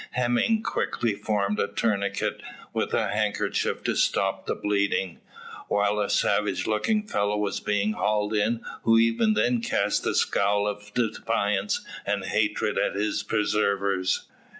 Hemming quickly formed a tourniquet with a handkerchief to stop the bleeding, while a savage looking fellow was being hauled in, who even then cast a scowl of defiance and hatred at his preservers.